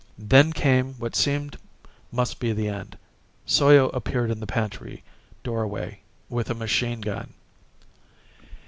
Then came what seemed must be the end. Soyo appeared in the pantry doorway with a machine gun.